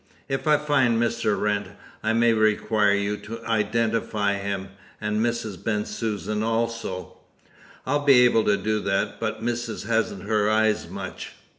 If I find Mr. Wrent, I may require you to identify him; and Mrs. Bensusan also." "I'll be able to do that, but missus hasn't her eyes much."